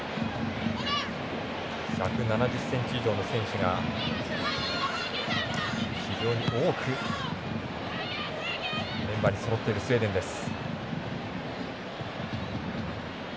１７０ｃｍ以上の選手が非常に多くメンバーにそろっているスウェーデンです。